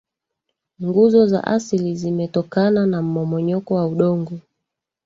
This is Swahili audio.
nguzo za asili zimetokana na mmomonyoko wa udongo